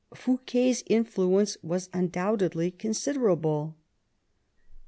Fouquet's influence was undoubtedly considerable.